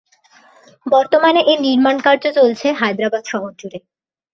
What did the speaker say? বর্তমানে এর নির্মাণ কার্য চলছে হায়দ্রাবাদ শহর জুড়ে।